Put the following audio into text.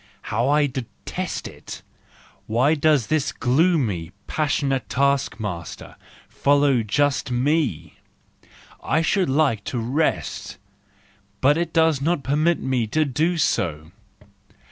How I detest it! Why does this gloomy and passionate taskmaster follow just me? I should like to rest, but it does not permit me to do so.